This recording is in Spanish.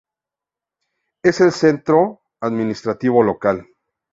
Es el centro administrativo local.